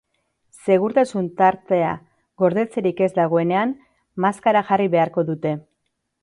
Segurtasun-tartea gordetzerik ez dagoenean, maskara jarri beharko dute.